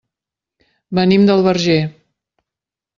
Venim del Verger.